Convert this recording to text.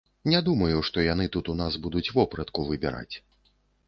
Не думаю, што яны тут у нас будуць вопратку выбіраць.